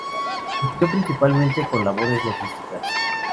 Cumplió principalmente con labores logísticas.